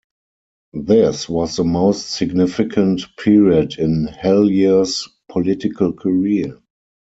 This was the most significant period in Hellyer's political career.